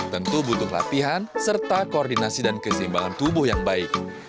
tentu butuh latihan serta koordinasi dan keseimbangan tubuh yang baik